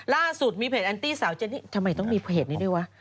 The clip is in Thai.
ล่าสุดมีเพจแอนตี้สาวเจนนี่ทำไมต้องมีเพจนี้ด้วยวะ